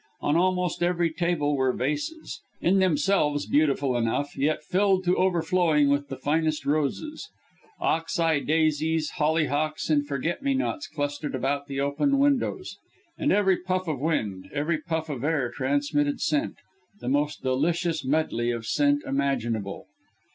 On almost every table were vases in themselves beautiful enough yet filled to overflowing with the finest roses. Ox eye daisies, hollyhocks and forget me nots clustered about the open windows. And every puff of wind, every breath of air transmitted scent the most delicious medley of scent imaginable.